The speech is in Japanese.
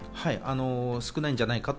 はい、少ないんじゃないかと